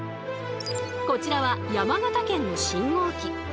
こちらは山形県の信号機。